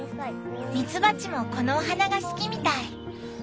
ミツバチもこのお花が好きみたい。